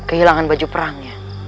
kehilangan baju perangnya